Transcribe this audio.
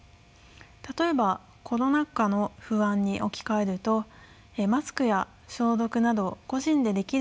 例えばコロナ禍の不安に置き換えるとマスクや消毒など個人でできる感染対策